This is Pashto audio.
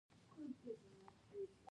ستا په لیدو ډېر خوشاله شوم.